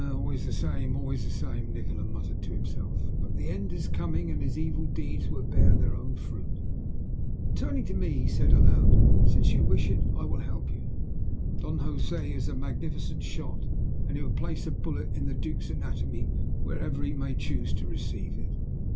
"Always the same, always the same," Nikola muttered to himself. "But the end is coming, and his evil deeds will bear their own fruit." Then turning to me, he said aloud "Since you wish it, I will help you. Don Josè is a magnificent shot, and he would place a bullet in the Duke's anatomy wherever he might choose to receive it.